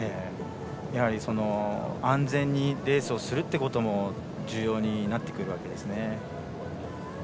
やはり安全にレースをするってことも重要になってくるわけですね。